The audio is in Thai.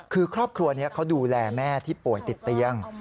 คือครอบครัวนี้เขาดูแลแม่ที่ป่วยติดเตียง